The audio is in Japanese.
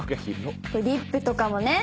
リップとかもね。